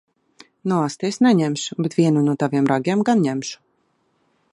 Nu asti es neņemšu. Bet vienu no taviem ragiem gan ņemšu.